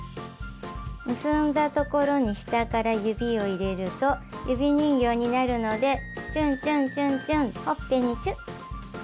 結んだ所に下から指を入れると指人形になるのでちゅんちゅんちゅんちゅんほっぺにチュ。